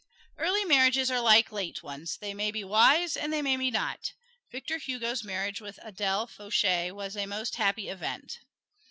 Early marriages are like late ones: they may be wise and they may not. Victor Hugo's marriage with Adele Foucher was a most happy event.